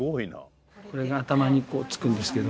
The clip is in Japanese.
これが頭にこうつくんですけど。